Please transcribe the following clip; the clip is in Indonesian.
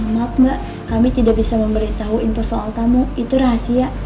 maaf mbak kami tidak bisa memberitahu info soal tamu itu rahasia